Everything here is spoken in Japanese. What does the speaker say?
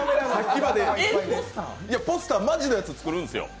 ポスターマジのやつ作るんですよ。